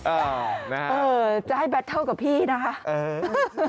โอ้นะคะโอ้จะให้บาตเทิลกับพี่นะคะเออ